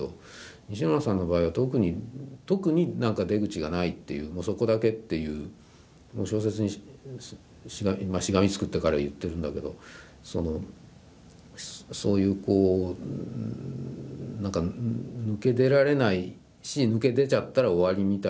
西村さんの場合は特に特になんか出口がないっていうもうそこだけっていうもう小説にしがみつくって彼は言ってるんだけどそのそういうこうなんか抜け出られないし抜け出ちゃったら終わりみたいな。